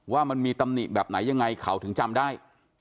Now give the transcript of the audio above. ว่ามันมีตำหนิแบบไหนยังไงเขาถึงจำได้